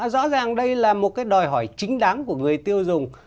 rõ ràng đây là một cái đòi hỏi chính đáng của người tiêu dùng